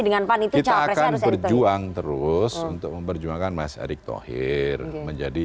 dengan pan itu cowok presnya harus erick thohir kita akan berjuang terus untuk memperjuangkan mas erick thohir menjadi